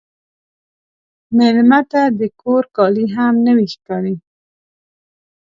مېلمه ته د کور کالي هم نوی ښکاري.